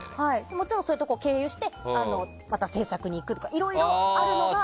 もちろんそういうところを経由して、制作に行くとかいろいろあるのが。